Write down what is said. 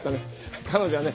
彼女はね